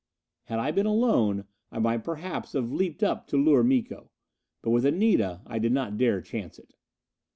Had I been alone, I might perhaps have leaped up to lure Miko. But with Anita I did not dare chance it.